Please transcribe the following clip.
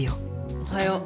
おはよう。